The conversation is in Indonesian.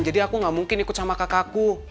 jadi aku gak mungkin ikut sama kakakku